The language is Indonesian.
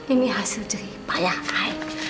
ini hasil jeripan ya ai